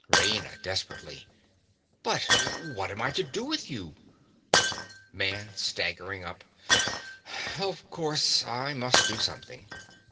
RAINA. (desperately). But what am I to do with you. MAN. (staggering up). Of course I must do something.